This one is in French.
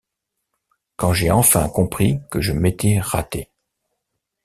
Quand j'ai enfin compris que je m'étais raté.